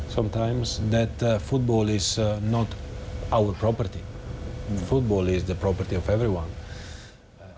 ซึ่งในอนาคตในประเทศไทยฟีฟาไม่ได้เป็นแบบนี้